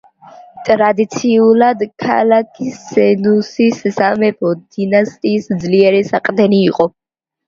ტრადიციულად, ქალაქი სენუსის სამეფო დინასტიის ძლიერი საყრდენი იყო.